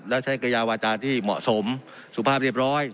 แล้วใช้กระยาวาจาที่เหมาะสมสุภาพเรียบร้อย